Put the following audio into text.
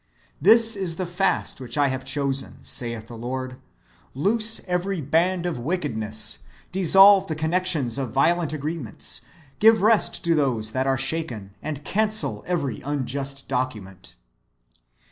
^" This is the fast which I have chosen, saith the Lord. Loose every band of wickedness, dissolve the connections of violent agreements, give rest to those that are shaken, and cancel every unjust document.